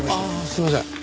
すいません。